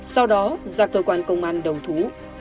sau đó ra cơ quan công an đầu thú